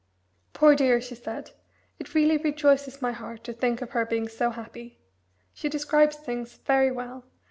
"Poor dear!" she said. "It really rejoices my heart to think of her being so happy. She describes things very well.